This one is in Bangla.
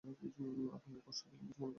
আপনাকে কষ্ট দিলাম, কিছু মনে করবেন না।